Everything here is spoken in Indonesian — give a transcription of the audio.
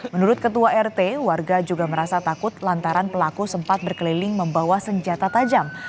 menurut ketua rt warga juga merasa takut lantaran pelaku sempat berkeliling membawa senjata tajam